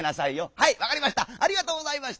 「はい。わかりました。